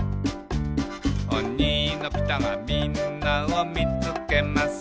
「おにのピタがみんなをみつけます」